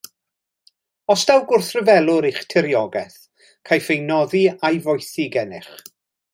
Os daw gwrthryfelwr i'ch tiriogaeth, caiff ei noddi a'i foethi gennych.